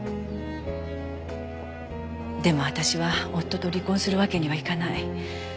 でも私は夫と離婚するわけにはいかない。